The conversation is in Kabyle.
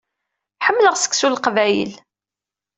Ḥemmleɣ seksu n Leqbayel.